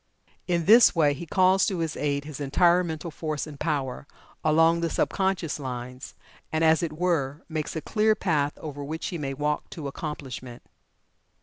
In this way he calls to his aid his entire mental force and power, along the sub conscious lines, and, as it were, makes a clear path over which he may walk to accomplishment.